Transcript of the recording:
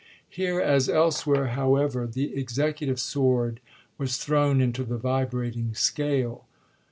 Here as elsewhere, however, the executive sword was thrown into the vibrating scale.